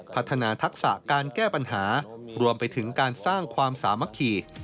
ทักษะการแก้ปัญหารวมไปถึงการสร้างความสามัคคี